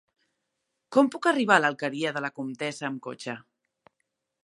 Com puc arribar a l'Alqueria de la Comtessa amb cotxe?